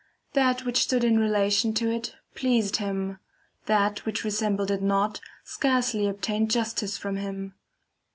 That which stood in relation to it pleased him; that which resembled it not, scarcely obtained justice from him.